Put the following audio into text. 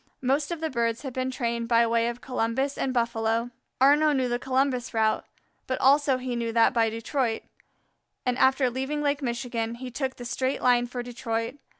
Most of the birds had been trained by way of Columbus and Buffalo. Arnaux knew the Columbus route, but also he knew that by Detroit, and after leaving Lake Michigan, he took the straight line for Detroit.